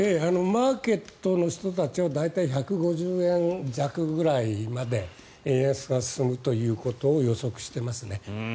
マーケットの人たちは大体１５０円弱ぐらいまで円安が進むということを予測していますね。